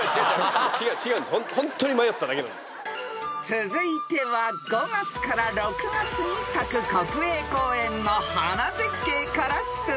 ［続いては５月から６月に咲く国営公園の花絶景から出題］